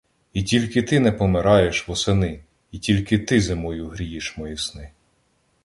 І тільки ти Не помираєш восени! І тільки ти Зимою грієш мої сни!